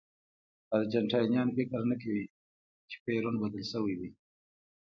ارجنټاینان فکر نه کوي چې پېرون بدل شوی دی.